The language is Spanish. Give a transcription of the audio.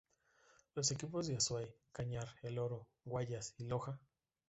Los equipos de Azuay, Cañar, El Oro, Guayas y Loja.